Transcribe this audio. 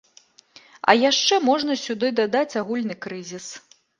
А яшчэ можна сюды дадаць агульны крызіс.